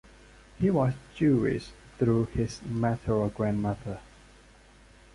He was Jewish through his maternal grandmother.